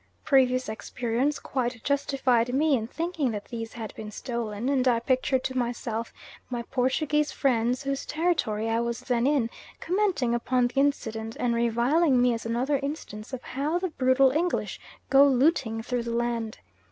Previous experience quite justified me in thinking that these had been stolen; and I pictured to myself my Portuguese friends, whose territory I was then in, commenting upon the incident, and reviling me as another instance of how the brutal English go looting through the land.